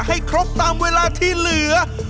ให้ครบตามเวลาที่เหลือ